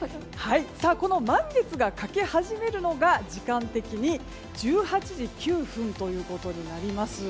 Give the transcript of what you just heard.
この満月が欠け始めるのが時間的に１８時９分ということになります。